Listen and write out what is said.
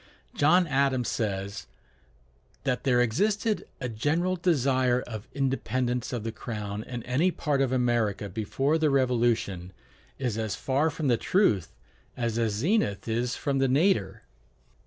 John Adams says, "That there existed a general desire of independence of the Crown in any part of America before the Revolution, is as far from the truth as the zenith is from the nadir."